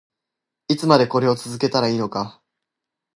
いつまでこれを続けたらいいのか